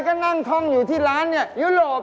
ก็นั่งท่องอยู่ที่ร้านเนี่ยยุโรป